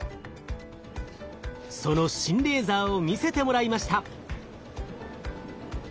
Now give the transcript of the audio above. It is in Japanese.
その新レーザーを見せてもらいました。